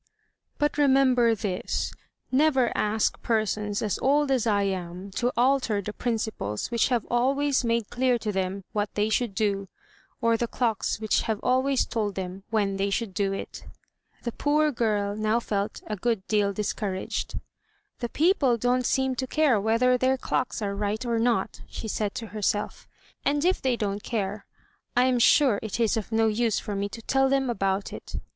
But remember this: never ask persons as old as I am to alter the principles which have always made clear to them what they should do, or the clocks which have always told them when they should do it." The poor girl now felt a good deal discouraged. "The people don't seem to care whether their clocks are right or not," she said to herself, "and if they don't care, I am sure it is of no use for me to tell them about it.